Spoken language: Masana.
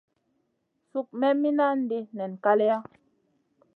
Suk me minandi nen kaleya.